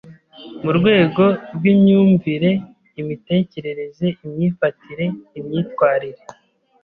mu rwego rw’imyumvire, imitekerereze, imyifatire, imyitwarire,